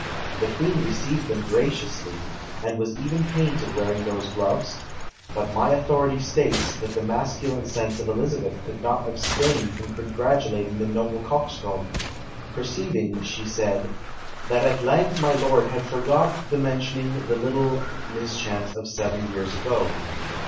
The queen received them graciously, and was even painted wearing those gloves; but my authority states, that the masculine sense of Elizabeth could not abstain from congratulating the noble coxcomb; perceiving, she said, that at length my lord had forgot the mentioning the little mischance of seven years ago!